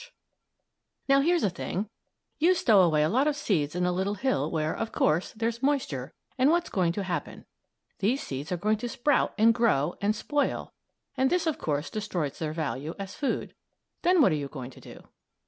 ] Now here's a thing; you stow away a lot of seeds in a little hill where, of course, there's moisture, and what's going to happen? Those seeds are going to sprout and grow and spoil, and this, of course, destroys their value as food. Then what are you going to do?